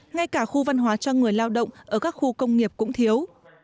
ngay cả khu văn hóa cho người lao động ở các khu công nghiệp cũng thiếu